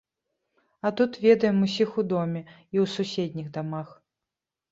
А тут ведаем усіх у доме, і ў суседніх дамах.